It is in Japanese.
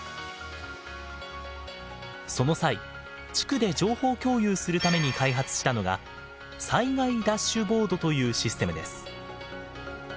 その際地区で情報共有するために開発したのが災害ダッシュボードというシステムです。